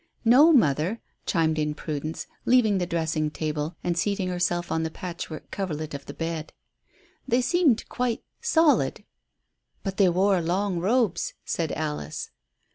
"No, mother," chimed in Prudence, leaving the dressing table and seating herself on the patchwork coverlet of the bed. "They seemed quite solid." "But they wore long robes," said Alice.